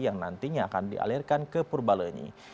yang nantinya akan dialirkan ke purbalenyi